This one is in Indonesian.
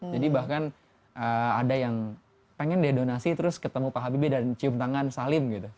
jadi bahkan ada yang pengen deh donasi terus ketemu pak habibie dan cium tangan salim gitu